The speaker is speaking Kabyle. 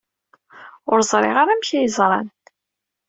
Ur ẓriɣ ara amek ay ẓran.